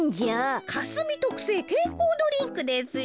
かすみとくせいけんこうドリンクですよ。